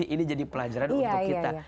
ini jadi pelajaran untuk kita